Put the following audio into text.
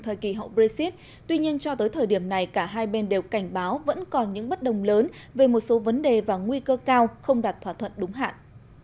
trong thời kỳ hậu brexit tuy nhiên cho tới thời điểm này cả hai bên đều cảnh báo vẫn còn những bất đồng lớn về một số vấn đề và nguy cơ cao không đạt thỏa thuận đúng hạn